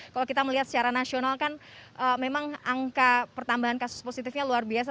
kalau kita melihat secara nasional kan memang angka pertambahan kasus positifnya luar biasa